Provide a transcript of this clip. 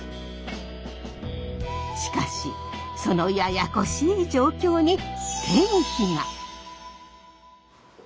しかしそのややこしい状況に転機が。